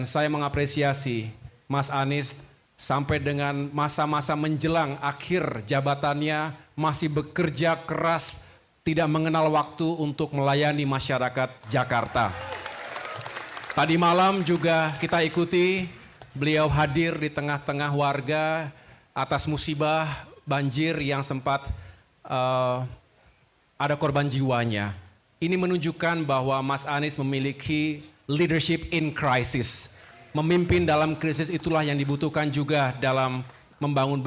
saya juga menyampaikan bahwa semoga kedatangan mas anies ini juga semakin mendekatkan beliau